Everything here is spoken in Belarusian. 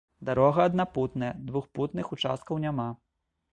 Дарога аднапутная, двухпутных участкаў няма.